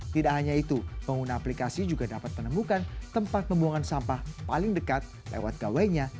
tidak hanya itu pengguna aplikasi juga dapat menemukan tempat pembuangan sampah paling dekat lewat gawainya